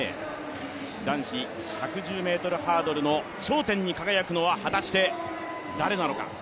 男子１１０ｍハードルの頂点に輝くのは、果たして誰なのか。